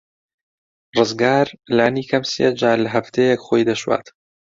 ڕزگار لانی کەم سێ جار لە هەفتەیەک خۆی دەشوات.